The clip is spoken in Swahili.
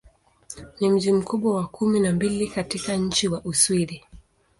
Ni mji mkubwa wa kumi na mbili katika nchi wa Uswidi.